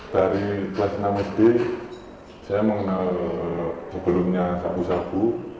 dari kelas enam sd saya mengenal sebelumnya sabu sabu